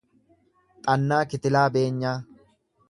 Xannaa Kitilaa Beenyaa